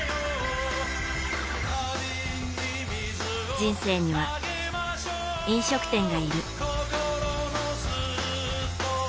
人生には、飲食店がいる。